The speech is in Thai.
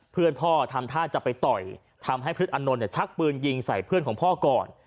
เพื่อนพ่อทำท่าจะไปต่อยทำให้พฤษอนนท์ชักปืนยิงใส่เพื่อนของพ่อก่อน